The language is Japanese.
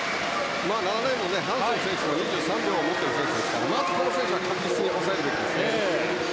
７レーンのハンソン選手も２３秒を持っている選手ですからまず、この選手は確実に抑えるべきですね。